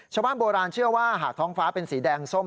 ชาวบ้านโบราณเชื่อว่าหากท้องฟ้าเป็นสีแดงส้ม